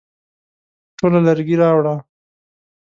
ټوله لرګي راوړه ؟